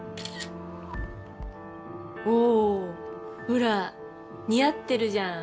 おぉほら似合ってるじゃん。